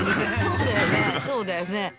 そうだよねそうだよね。